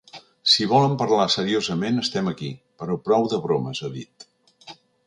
Si volen parlar seriosament, estem aquí; però prou de bromes, ha dit.